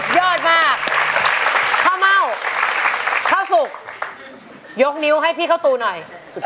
ยอดมากข้าวเม่าข้าวสุกยกนิ้วให้พี่ข้าวตูหน่อย